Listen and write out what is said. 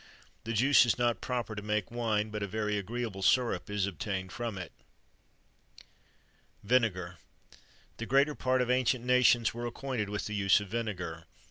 The juice is not proper to make wine, but a very agreeable syrup is obtained from it. VINEGAR. The greater part of ancient nations were acquainted with the use of vinegar.